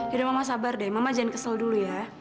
mama sabar deh mama jangan kesel dulu ya